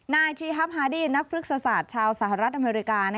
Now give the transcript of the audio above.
นายจีฮับฮาดี้นักพฤกษศาสตร์ชาวสหรัฐอเมริกา